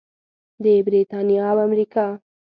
د بریتانیا او امریکا.